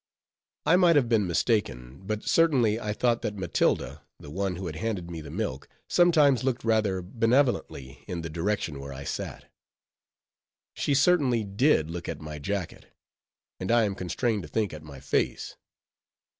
I might have been mistaken; but certainly I thought that Matilda, the one who had handed me the milk, sometimes looked rather benevolently in the direction where I sat. She certainly did look at my jacket; and I am constrained to think at my face.